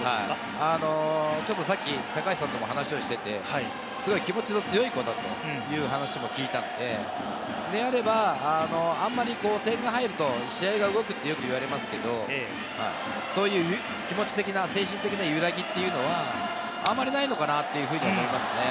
ちょっとさっき高橋さんとも話していて、気持ちの強いコだという話を聞いたので、であれば、あんまり点が入ると試合が動くとよく言われますけれども、そういう気持ち的な精神的な揺らぎというのは、あまりないのかなと思いますね。